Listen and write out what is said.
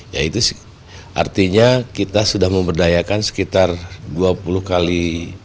ya itu artinya kita sudah memberdayakan sekitar dua puluh kali